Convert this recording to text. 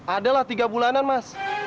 adalah tiga bulanan mas